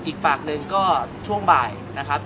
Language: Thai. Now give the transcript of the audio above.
อีกปากหนึ่งก็ช่วงบ่ายนะครับ